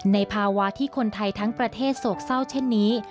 ในภาวะที่คนไทยทั้งประเทศโศกเศร้าเช่นนี้